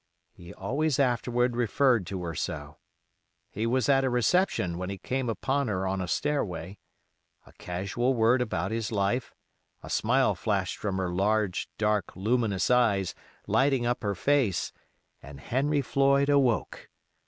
He always afterward referred to her so. He was at a reception when he came upon her on a stairway. A casual word about his life, a smile flashed from her large, dark, luminous eyes, lighting up her face, and Henry Floyd awoke.